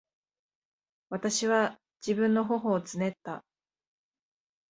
私は自分の頬をつねった。